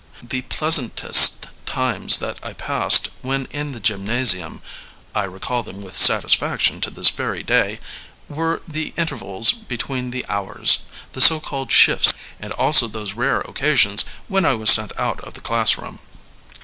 The pleasantest times that I passed when in the gymnasium — ^I recall them with satisfaction to this very day — ^were the intervals between the 'hours,' the so called shifts, and also those rare oc casions when I was sent out of the class room.